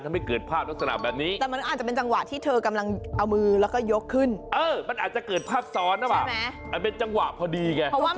ทำให้เกิดภาพลักษณะแบบนี้